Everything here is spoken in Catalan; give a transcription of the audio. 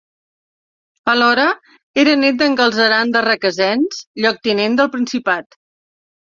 Alhora, era nét d'en Galceran de Requesens, lloctinent del principat.